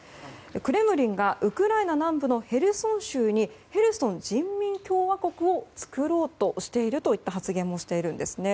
クレムリンがウクライナ南部のヘルソン州にヘルソン人民共和国を作ろうとしているといった発言をしているんですね。